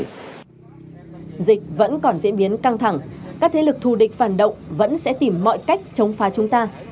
dịch vẫn còn diễn biến căng thẳng các thế lực thù địch phản động vẫn sẽ tìm mọi cách chống phá chúng ta